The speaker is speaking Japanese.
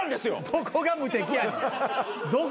どこが無敵やねん。